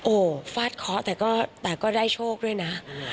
โอ้โหฟาดเคาะแต่ก็ได้โชคด้วยนะ